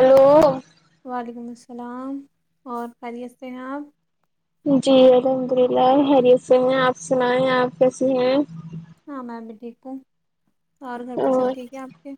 Hello وعلیکم السلام سلام اور خیریت سے ہیں اپ جی الحمد اللہ حریت سے ہیں آپ سنائیں آپ کیسی ہیں ہاں میم بھیٹیک ہے اور گھر پر سب ٹھیک ہے آپ کے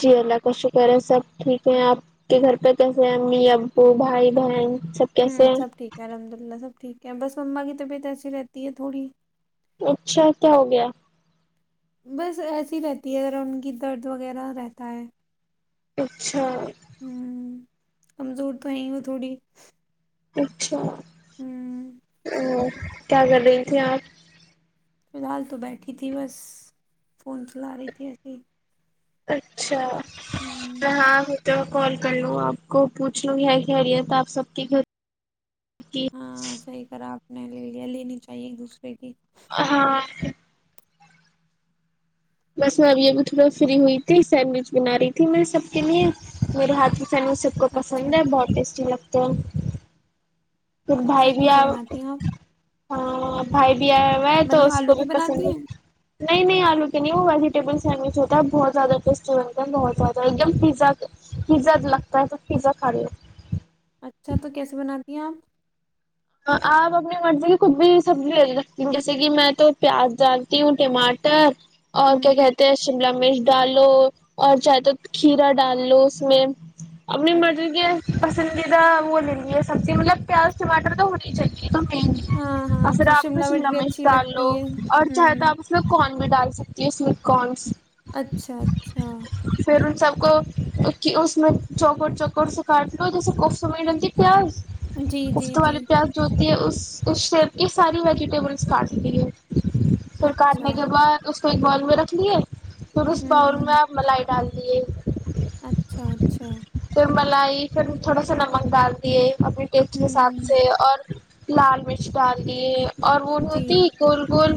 جی اللہ کا شکر ہے سب ٹھیک ہے آپ کے گھر پہ کیسے ہیں امی ابو بھائی بہن سب ہاں کیسے سب ہیں ٹھیک ہے الحمدللہ سب ٹھیک ہے بس اما کی طبیعت ایسی رہتی ہے تھوڑی اچھا کیا ہو گیا بس ایسی رہتی ہے اگر ان کی درد وغیرہ رہتا ہے ہوں [inaudible] کمزور تو ہے ہو تھوڑی اچھا ہوں تو کیا کر رہی تھھی آپ فی الحال تو بیٹھی تھی بس فون چلا رہی تھی ایسی اچھا تو ہاں تو کال کر لوں آپ کو پوچھ لوں کیا خ خریت آپ سب کی گھر کی ہاں صحیح کرا اپ نے نے لے لیا لینی چاہیے ایک دوسرے کی ہاں بس میں ابھی ابھی تھوڑا فری ہوئی تھی سینڈوچ بنا رہی تھی میں سب کے لیے میرے ہاتھ سمو سب کو اچھا پسند ہے بہت ٹیسٹی لگتا ہے تو پھر بھائی اچھا بھی کیسے آ بناتی ہیں آپ ہاں بھائی میں تو مطلب اس آلو کو بھی کی پسند بناتی ہے ہیں نہیں نہیں آلو کے نہیں وہ ویجیٹیبل سینڈوچ ہوتا ہے بہت زیادہ ٹیسٹینتا ہے بہت زیادہ ایک دم پز پزا لگتا ہے تو پیزا کھا لو اچھا تو کیسے بناات یاں اپ اپنی مرضی کو بھی سبزی رکھتی ہوں جیسے کہ میں تو پیاز ڈالتی ہوں ٹماٹر اور کیا ہوں کہتے ہیں شملا مر ڈالو اور چائے تو کھیرا ڈال لو اس میں انی مر اچھا کیا پسندیدہ وہ لے لیی ہے سبزی مطلب پیاز ٹماٹر تو ہونی چاہیے اور ہاں ہاں پھر اچھا اس میں شملہ بھی مرچ اچھی ڈال لو لگتی ہے چاہے تو ہوں اپ اس میں کوئی نہیں کر میں ڈال سکتی ہے سمپ کنس اچھا اچھا جوکر کاٹ کے اس میں جی جی جی ہوتے ہیں اس اس کی ساری ویجیٹیبلز کاٹ رہی ہے پھر اچھا کاٹنے کے بعد اس کو ایک بال د رکھھیے پس باؤول ہوں میں م لائی ڈال دیے اچھا اچھا پھر ملائی پھر تھوڑا سا نمک ڈال دیے اپنے ٹیسٹ کے ساتھ ہوں سے اور [inaudible] لال مرچ ڈالے اور وہ جی ہوتی گول گول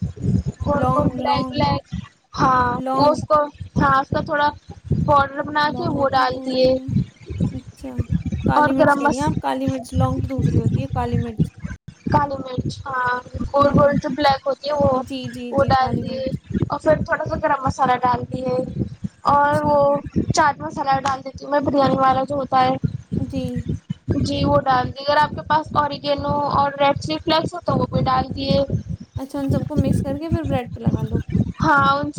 گ گ لونگ بلیک لونگ بلیک ہاں وہ لونگ کو تھاا اس کا تھوڑا پ لونگ ہوتی کیا ہوتی ہے اچھا کالی اور مرچ گرم کہہ رہی مس ہیں آپ کالی مرچ لونگ تو دوسری ہوتی ہے کالی مرچ کالی مرچ ہاں ہ گول گول جو بلیک ہوتی ہے وہ جی جی وہ جی ڈال کالی دیے مرچ اور پھر تھوڑا سا گرم مسالہ ڈالتی ہے اور اچھا وہ چار [inaudible] سلاد ڈال دیتی ہوں میں بریانی والا جو ہوتا ہے [inaudible] جی جی وہ [inaudible] ڈال دی اگر آپ کے پاس اوریگیلو اور ریڈ چلی فلیکس ہو تو وہ بھی ڈال دیے اچھا ان سب کو مکس کر کے پھر بریڈ پہ لگا لو ہاں ان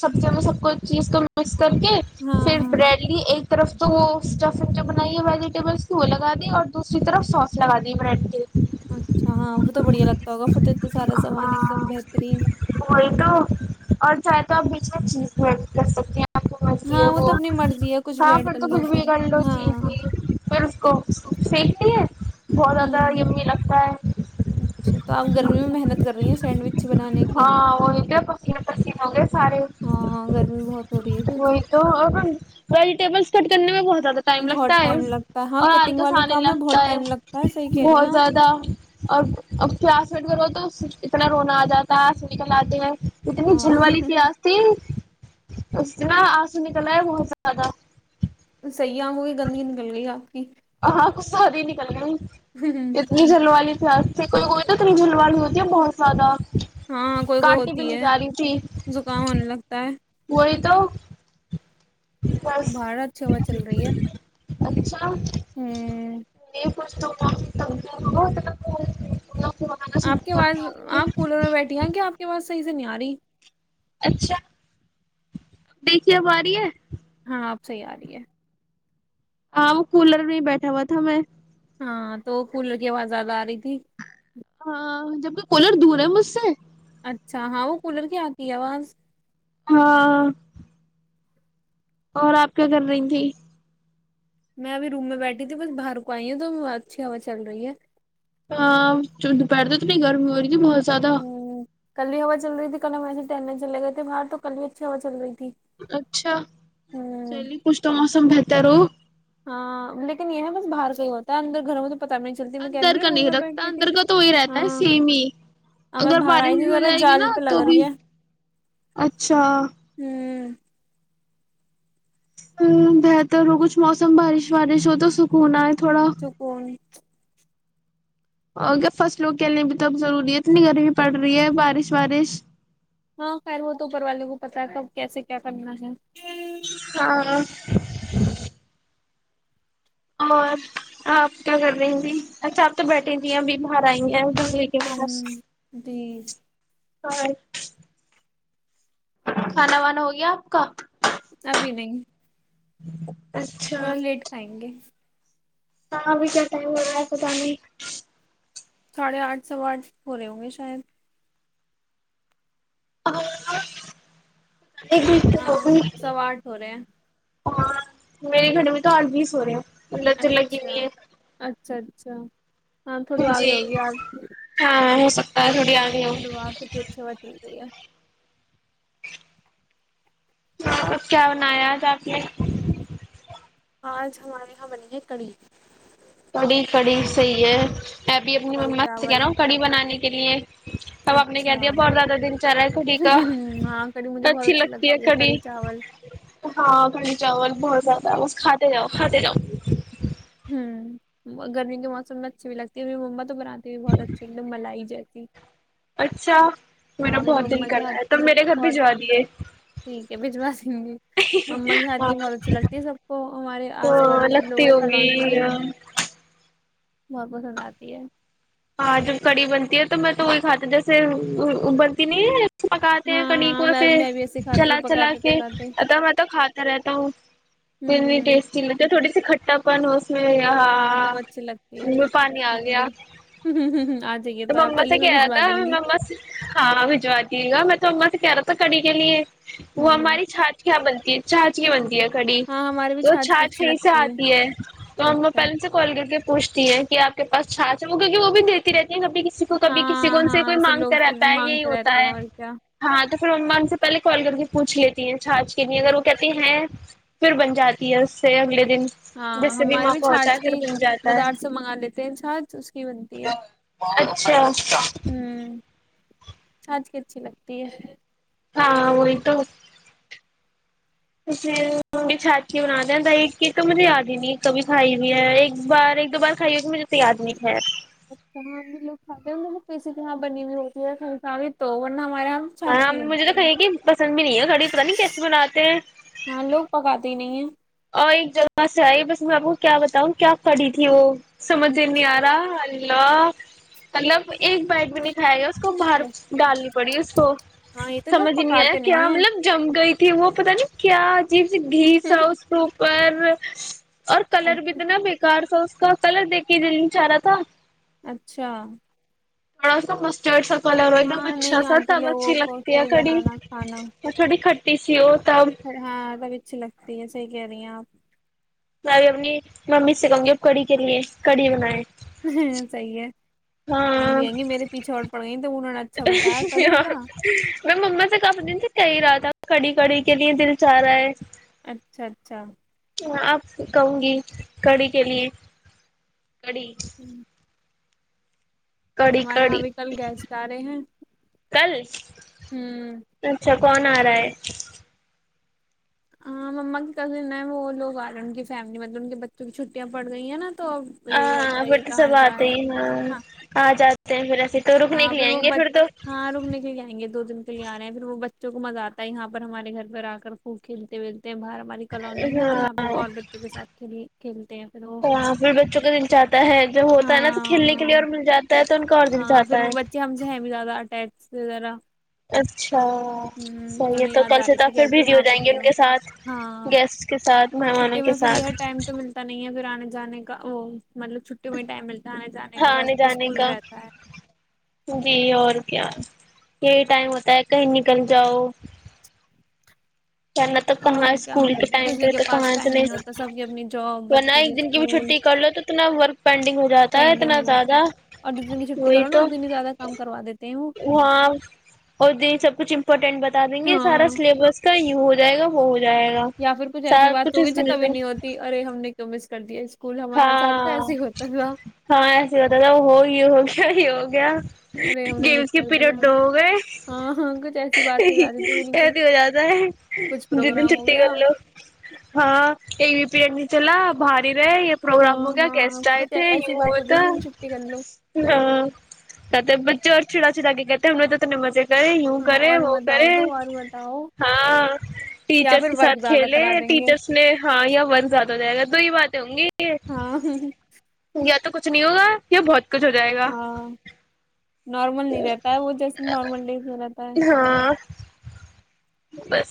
سب ج سب کو چیز کو [inaudible] کر کے ہاں پھر ہاں بریڈ لی ایک [inaudible] طرف تو وہ اسٹفنگ جو بنائی ہے ویجیٹیبلس بولا [inaudible] لگا دی اور دوسری طرف سوس لگا دی بریڈ کے اچھا ہاں وہ تو بڑھیا لگتا ہوگا پھر د تو سارا سامان ایک دم ہاں بہترین ر چیز کوڈ کر سکتے ہیں مجتی ہاں ہے وہ تو اپنی مرضی ہے کچھ ہ بھی ایڈ پھر کر تو لو کچھ بھی کنڈو ہاں چی ت پھر اس کو سیکتی ہے بہت ہوں زیادہ می لگتا ہے اچھا تو آپ گرمی میں محنت کر رہی ہیں سینڈوچ بنانے کی ہاں وہی پ پ پس ہو گئے سارے ہاں گرمی بہت ہو رہی ہے وہی کیونکہ تو ویجیل کٹ کرنے میں بہت زیادہ ٹائم بہت لگتا ہے ٹائم اس لگتا ہے ہاں اور کٹنگ والے توسنے کام میں بہت لگتا ہے ٹائم لگتا ہے صحیح کہہ رہی ہیں بہت آپ زیادہ اور ا کلاس میٹ کرو تو صف اتنا رونا آ جاتا ہے نکل آتے ہیں اتنی ہاں جلو والی پیاز تھی [inaudible] اس سے ن آنسو نکلا ہے بہت زیادہ [inaudible] سیح ہووں گی گندگی نکل گئی آپ ک ہاں گصہ د ہی نکل گ اتنی جل والی جس سے کوئی کوئی تو ترجول والی ہوتی ہے بہت زیادہ ہاںاں کوئی کوئی کاٹی بھی ہوتی نہیں ہے جا رہی زکام ہونے لگتا ہے کو تو بس باہر اچھی ہوا چل رہی ہے اچھا ہوں ج [unintelligible] کچ [unintelligible] آپ کے پاس آپ کولر میں بیٹھی ہیں کیا آپ کے پاس صحی سے نہیں یاری اچھا دیکھی اب ارہی ہے ہاں آپ صحیح آ رہی ہے ہاں وہ کولر میں بیٹھا ہوا تھا میں ہاں تو کولر کی آواز زیادہ آ رہی تھی ہاں جبک کولر دور ہے مجھ سے اچھا ہاں وہ کولر کی آتی ہے آواز ہاں اور آپ کیا کر رہی تھی میں ابھی روم میں بیٹھی تھی بس باہر کو آئی ہ تو اچھی ہوا چل رہی ہے ہاں دوپہر تو تو نہیں گرمی ہو رہی تھی بہت سد ہ کل ہی ہوا چل رہی تھی کل ہم ایسے تٹرنے چے گئے تھے باہ تو کل اچھی ہوا چل رہیھی اچھا چلیے کچھ تو موسم بہتر ہو ہاں لیکن یہ نا بس باہر کا ہی ہوتا ہے اندر گھروں میں تو پتہ بھی نہیں چلتی میں کہہ اندر رہی نا کا روم نہیں میں رکھتا بیٹھتی تھی اندر کا تو وہی رہتا ہاں ہے سیم ہی ہاں میں اگر باہر بارش آئی تھی بھی ہو ذرا جائے گی نا جال پہ تو لگ رہی بھی ہے اچھا ہ ہ بہتر ہو کچھ موسم بارش وارش ہو تو سکون ہے سکون اور کیا فصلوں کے لیے بھی توب ضروری ہے اتنی گرمی پڑ رہی ہے بارش وارش ہاں خیر ہو تو اوپر والوں کو پتا کب کیسے کیا کرنا ہے ہاں اور آپ کیا کر رہی تی اچھا آپ تو بیٹھی ت ہیں اب باہر آئی ہیں کے ہ بس جی اور کھانا وانا ہو گیا آپ کا ابھی نہیں ہ [unintelligible] تھوڑا لیٹ کھائیں گے ہاں ابھی کیا ٹائم لگا ہے پت گی ساڑھے آٹھ سو آٹھ ہو رہے ہوں گے شاید؟ ا ہاں سوا آٹھ ہو رہا ہیں ہاں میرے گھڑے میں تو آر بھی سو رہے ہو اچھا اچھا اچھا ہاں تھوڑی آ گئی ہوگی یار ا چلو آپ کےبھی اچھیا ہوا چل رہی ہے مب کیا بنایا آج آپ نے آج ہمارے یہاں بنی ہے کڑی کڑ کڑ سئ ے میں ابھی اپنی کڑی ما سے کہہ چاول رہا ہوں کڑی بنانے کے لیے اب آپ نے کیا اچھا دیا بہت زیادہ دل چار رہا ہے کڑی کا ہاں کڑی مجھے بہت اچھی لگتی ہے کھڑی کڑی چاول ہاں کڑی چاول بہت زیادہ بم کاتاتے جاؤ کاتاتے جاؤ ہ گرمی کے موسم میں اچھی بھی لگتی ہے محمت تو بنااتے بھی بہت اچھے مطل ملائی جائے ایک [inaudible] اچھا میرا ہاں مری بہت دل مما کے کر رہا ہاتھ ہے تب کی میرے گھر بہت بھجوا دیے ٹھیک ہے بھجوا دیں گے مما کے ہاتھ ہاں کی بہت اچھی لگتی ہے سب کو ہمارے تو آس پاس جیسے لوگ لگتی ہیں کالونی ہے ہوگی مب پسند آتی ہے ہاں جب کڑی بنتی ہے تو میں تو وہی کھاتی جیسے بنتی نہیں ہے پکاتے ہیں ہاں ہاں کڑوں میں سے میں بھی ایسے کھاتی چلا ہوں چلا پکاتے کے پکاتے ا میں تو کھاتا رہتا ہوں اتنی ہوں ٹیسٹی لگتی ہے تھوڑی سی [inaudible] ہاں تب اچھی لگتی ہے منہ میں کھٹتی پانی کھٹتی آ گیا تھوڑی آ جائیے تو آپ مما سے چلیے میں کہہ رہا بھجوا تھا میں دوں گی مما سے ہاں بھجوا دیوں گا میں تو اما سے کیا رہا تو کڑی کے لیے وہ ہوں ہماری چھات کیا بنتی چاہج کی بنتی ہے کڑی ہاں ہمارے بھی تو چھاچ کی اچھی چھاچیں سے لگتی آتی ہے تو ہمو اچھا اچھا پہلے سے کال کر کے پوچھ تی ہے کہ آ کے پاس چھچ ہے وہ کیک وہ بھی دیتی رہتی سبھی کسی کو کبھی کسی کو ہاں ان سے ہاں کوئی ایسے مانگ لوگ پھر کراتا ہے یہی مانگتے ہوتا رہتے ہیں ہے اور کیا ہاں تو پھر ما ان سے پہلے کال کر کے پوچھ لیتی ہیں چھچ کے لیے اگر وہ کہتے ہیں پھر بن جاتی ہے اس سے اگلے دن ہاں جس سے ہماراریے بھی موقع ہوتا ہے چھاچھ کی پھر بن جاتا بازار ہے سے منگا لیتے ہیں چھاچھ اس کی بنتی ہے اچھاچا سانج کی اچھی لگتی ہے ہاں وہی تو اس بھی چھاتھی بن د ہیں ایک چیز تو مجھے یاد ہی نہیں ہے کبھی کھائی ہوئی ہے ایک بار ایک دو بار کھائی ہوئی تو مجھے تو یاد نہیں کھ اچ ہم لوگ کھاتے ہیں کسی یہاں بنی ہوئی ہوتی ہے سنا تو ورنہ ہمارے یہاں ہاں چھاچ ہم کی مجھے تو بنتی ہے کھائیے کہ پسند بھی نہیں ہے گھاڑی پت نہیں کیسے بناتے ہیں ہاں لوگ پکاتے ہی نہیں اور ایک جگہ سے آئی بس میں آپ کو کیا بتاؤں کیا کڑی تھی وہ ہیں سمجے نہیں آارا لو مطلب ایک بائٹ بھی نہیں کائے گ اس کو باہر ڈالنی پڑی اس کو ہاں یہ تو لوگ سمجھ نہیں آیا پکاتے کیا ہیں مطلب جم گئی تھی وہ پتتا نہیں کیا جی بھیس آؤ اپر اور کلر بھی اچھا اتنا بےیکار تھا اس اس کا کلر دیک کے جل چ رہا تھا اچھا تھوڑا سا مسٹرڈ س کلر ایک دم ہاں اچھا نہیں سا آتی سب اچھی لوگوں کو لگتی ہے صحیح تھوڑی بنانا اور تھوڑی پی سی یو ر ہاں تب اچھی لگتی ہے صحیح کہہ رہی ہیں آپ میں بھی اپنی ممی سے کہوں گی ا کڑی کے لیے کڑی بنیں ہاں صحی ہے ہاں ممی کہیں گی میرے پیچھے اور پڑ گئی تو انہوں نے اچھا بتایا کڑی کا میں مما سے کافی دن سے کہی رہا تھا کڑی کڑی کے لیے دل چاہ رہا ہے اچھا اچھا آپ کہوں گی کڑی کے لیے کڑی کڑی ہمارے یہاں کڑی ابھی کل گیسٹ آ رہے ہیں کل ہوں اچھا کون آ رہا ہے ہاں مما کی کل ن وہ لگ آ رہے ہیں ان کی فیملی مطلب ان کے بچوں کی چھٹیاں پڑ گئی ہیں نا تو اب یہی ہوتا ہاں ہے یہ باکی سب کہاں آتے جائیں ہی ن ہاں آ جات سے ہاں پھر وہ ب ہاں رک کےے آئیں گے دو دن کے لیے آ رہے ہیں پھر وہ بچ چ کو مزہ آتا ہے یہاں پر ہمارے گھر پر آ کر خوب کھیلتے ہو باہر ہماری کالونی ہے نا تو یہاں پہ ب ہاں اور بچوں کے ساتھ کھیلی کھیلتے ہیں پھر وہ جو ہوتا ہے نا تو ہاں کھیلنے کے لیے ہاں اور مل جاتا ہے تو ان کا اور دل ہاں چاہتا پھر ہے وہ بچے ہم سے ہیں بھی زیادہ اٹیچ جذرا اچھا صحیح ہے نہیں تو یاد کل آ سے رہی تو تھی پھر کہتی بزی ہو وہاں پہ جائیں گے ان چلو کے ساتھ ہاں گیسٹ کے ساتھ مہمانوں چھٹی کے میں پھر یہ ساتھ ٹائم تو ملتا نہیں ہے پھر جانے کا وہ مطلب چھٹی میں ٹائم ملتا ہے آنے جانے کا ویسے آنے تو جانے اسکول کا رہتا ہے جی اور یہی ٹائم ہوتا ہے کہیں نکل جاؤ ورنہ تو اور کہاں کیا اسکول کے ٹائم کسی پہ کے تو پاس کہاں سے ٹائم ہوتا نہیں سب کی اپنی جاب ورنہ بچوں ایک دن کی بھی اسکول چھٹی کر لو تو اتنا ورک پینڈنگ ہو جاتا ہے پینڈنگ اتنا ہو جاتا ہے زیادہ اور جس دن کی چھٹی وہی کرو نا تو اس دن ہی زیادہ کام کروا دیتے ہیں وہ وہاں اور د سب کچھ امپورٹینٹ بتا دیں گے سارا ہاں سلیبس ہو جائے گا بہ یا پھر کچھ ایسی بات ہوگی جو پہ کبھی نہیں ہوتی ارے ہم نے کیوں مس کر دیا اس ہاں ہاں ایسی بات تھاا ہوگی ہوگ یہ ہوگ گیا ارے ہم گ نے مس اس کے کر دیا پیریڈ دو گئے ہاں ہاں کچھ ایسی بات ہو ای جاتی تھی بالکل ہو جیاد ہے کچھ ج دن پروگرام ہو چھٹی گیا کر لو ہاں ای بھی پیریڈ چلا باری ر پروگرام ہاں ہو گیا ہاں گیسٹ آئے کچھ ای- تھے ایسی یو ہو بات ہوتی ہے تھا جن چھٹی کر لو ہتے بچے اور چھڑا چھا گے کہتے انوں تو ن مزے کرے یوں ہاں کرے اور وہ بتاؤ کرے تو اور بتاؤ ہاں یا ٹیچرس پھر کے ورک ساتھ زیادہ کھیلے کرا دیں گے ٹیچرس نے ہاں یہ ورک زیادہ ہو جائے گا تو ہی بات تووں گے ہاں ہ تو کچھ نہیں ہوگا یہ بہت کچھ ہو جائے گا ہاں نارمل نہیں رہتا ہے وہ جیسے نارمل ڈز میں رہتا ہے ہاں بس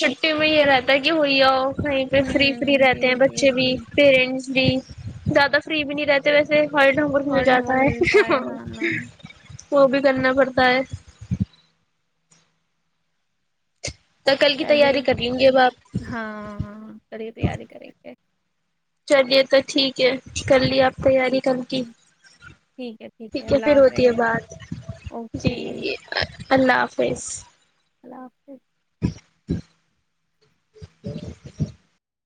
چھٹی میں یہ رہتا ہے کہ ہو آؤ وہیں پہ فری فری ہوں رہتے جی ہیں جی بچے بھی جی پیرنٹس بھی زیادہ فری بھی نہیں رہتے ویسے ہر ڈھنگ پ کل اور ڈھمک جاتا ملتا ہاں ہے وہ بھی کرنا پڑتا ہے تو کل کی چلیے تیاری کر لیں گے اب آپ ہاں ہاں کرری تیاری کر گ چلیے تو ٹھیک ہے کر ل آپ تیاری ٹھیک ہے کم کی ٹھیک ٹھیک ہے ٹھیک ہے اللہ پھر ہوتی ہے حافظ بات اوکے جی اللہ حافظ اللہ حافظ [inaudible]